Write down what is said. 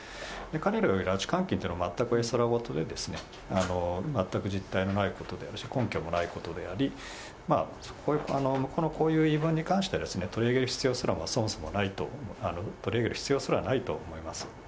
彼らが言う拉致監禁というのは全く絵空事で、全く実体のないことであるし、根拠のないことであり、このこういう言い分に関して、取り上げる必要すらそもそもないと、取り上げる必要すらないと思います。